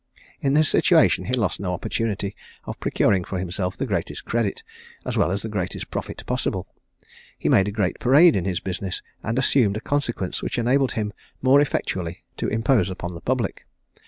In this situation he lost no opportunity of procuring for himself the greatest credit, as well as the greatest profit possible. He made a great parade in his business, and assumed a consequence which enabled him more effectually to impose upon the public.